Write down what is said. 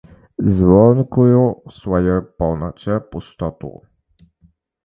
Звонкую ў сваёй паўнаце пустату.